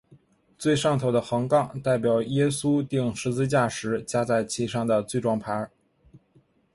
最上头的横杠代表耶稣钉十字架时加在其上的罪状牌。